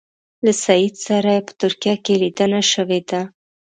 له سید سره یې په ترکیه کې لیدنه شوې ده.